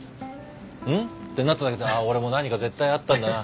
「うん？」ってなっただけで「ああ。俺もう何か絶対あったんだな」